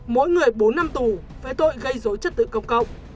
mỗi người bốn năm tù với tội gây dối chất tự công cộng